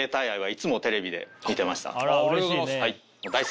はい。